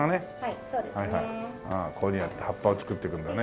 こういうふうにやって葉っぱを作っていくんだね。